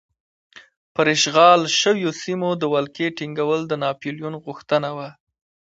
پر اشغال شویو سیمو د ولکې ټینګول د ناپلیون غوښتنه وه.